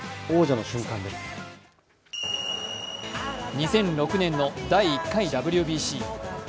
２００６年の第１回ＷＢＣ。